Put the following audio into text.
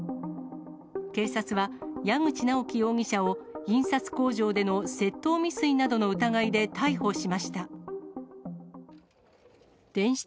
警察は、矢口直樹容疑者を、印刷工場での窃盗未遂などの疑いで逮捕しました。